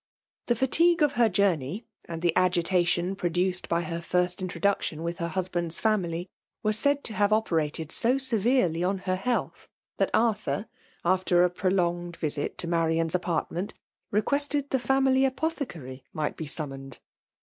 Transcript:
The fatigue of her journey, and the agitation produced by her first introduction with her husband's family, were said to have operated so severely on her health, that Arthur, after a prolonged visit to Marianas apartment, requested the family apothecary might be summoned.